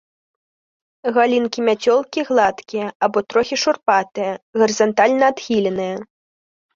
Галінкі мяцёлкі гладкія або трохі шурпатыя, гарызантальна адхіленыя.